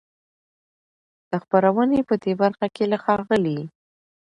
د خپرونې په دې برخه کې له ښاغلي